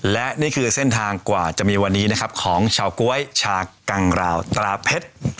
และนี่คือเส้นทางกว่าจะมีวันนี้นะครับของชาวก๊วยชากังราวตราเพชร